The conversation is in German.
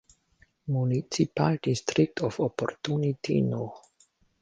Municipal District of Opportunity No.